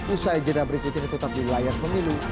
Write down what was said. usai jeda berikut ini tetap di layar pemilu